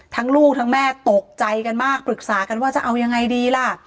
ลูกทั้งแม่ตกใจกันมากปรึกษากันว่าจะเอายังไงดีล่ะ